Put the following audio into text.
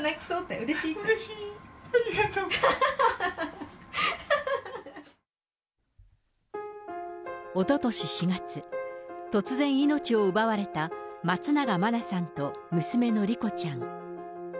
うれしい、おととし４月、突然命を奪われた松永真菜さんと娘の莉子ちゃん。